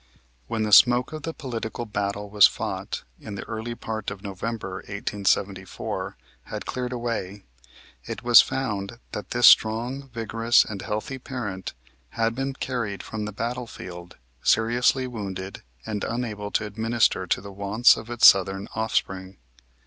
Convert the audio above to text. When the smoke of the political battle that was fought in the early part of November, 1874, had cleared away, it was found that this strong, vigorous and healthy parent had been carried from the battle field seriously wounded and unable to administer to the wants of its Southern offspring.